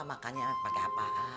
makanya pake apaan